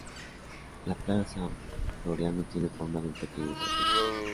La Plaza Floriano tiene forma de un pequeño trapecio.